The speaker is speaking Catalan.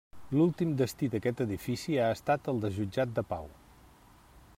L'últim destí d'aquest edifici ha estat el de Jutjat de Pau.